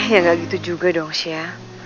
ya gak gitu juga dong sya